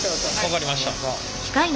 分かりました。